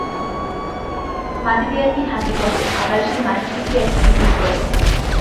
মাটি দিয়ে একটি হাতী গড়, আবার সেই মাটি থেকেই একটি ইঁদুর গড়।